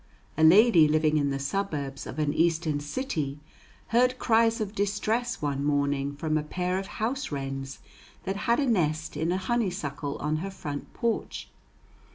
A lady living in the suburbs of an Eastern city heard cries of distress one morning from a pair of house wrens that had a nest in a honeysuckle on her front porch.